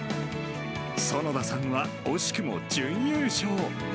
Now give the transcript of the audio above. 園田さんは惜しくも準優勝。